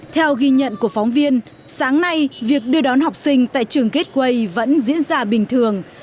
theo ghi nhận của phóng viên sáng nay việc đưa đón học sinh tại trường kết quây vẫn diễn ra bình thường